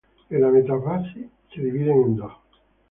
En la metafase se dividen en dos.